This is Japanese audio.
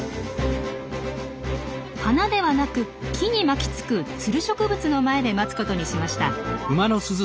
花ではなく木に巻きつくツル植物の前で待つことにしました。